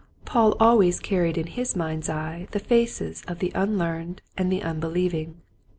Paul always carried in his mind's eye the faces of the unlearned and the unbelieving.